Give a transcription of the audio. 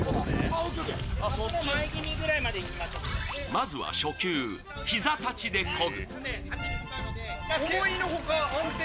まずは初級、膝立ちでこぐ。